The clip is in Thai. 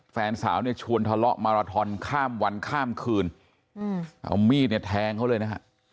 แฟนสาวเนี่ยชวนทะเลาะมาราทอนข้ามวันข้ามคืนเอามีดเนี่ยแทงเขาเลยนะฮะ